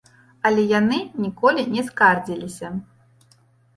Але яны ніколі не скардзіліся.